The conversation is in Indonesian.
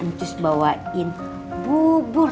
ancus bawain bubur